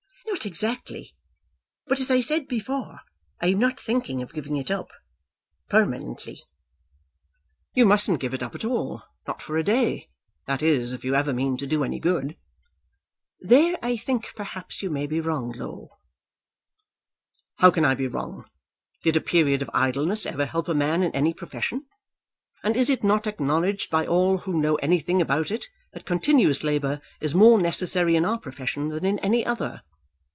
"Not exactly. But, as I said before, I am not thinking of giving it up, permanently." "You mustn't give it up at all, not for a day; that is, if you ever mean to do any good." "There I think that perhaps you may be wrong, Low!" "How can I be wrong? Did a period of idleness ever help a man in any profession? And is it not acknowledged by all who know anything about it, that continuous labour is more necessary in our profession than in any other?"